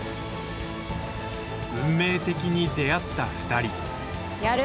運命的に出会った２人。